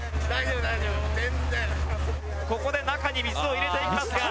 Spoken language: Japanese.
ここで中に水を入れていきますね。